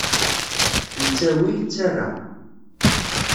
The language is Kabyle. Yettawi, yettarra.